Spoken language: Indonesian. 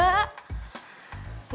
gak ada ya